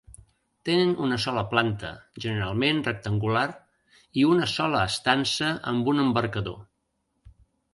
Tenen una sola planta, generalment rectangular, i una sola estança amb un embarcador.